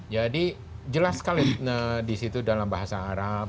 jadi jelas sekali di situ dalam bahasa arab